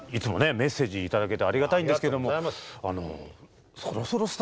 メッセージいただけてありがたいんですけどもみゆきさん